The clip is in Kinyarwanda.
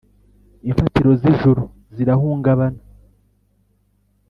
imfatiro z ijuru zirahungabana